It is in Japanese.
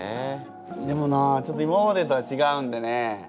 でもなちょっと今までとはちがうんでね。